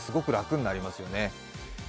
筆算とかすごく楽になりますよね。